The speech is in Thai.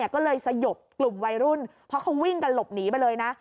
ก็เลยสยบกลุ่มวัยรุ่นเพราะเขาวิ่งกันหลบหนีไปเลยนะ